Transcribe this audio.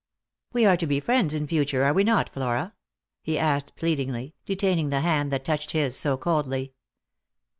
" We are to be friends in future, are we not, Flora P " he asked pleadingly, detaining the hand that touched his so coldly.